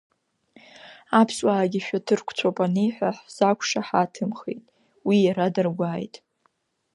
Аԥсуаагьы шәаҭырқәцәоуп аниҳәа ҳзақәшаҳаҭымхеит, уи иара даргәааит…